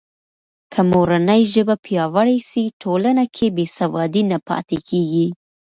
که مورنۍ ژبه پیاوړې سي، ټولنه کې بې سوادي نه پاتې کېږي.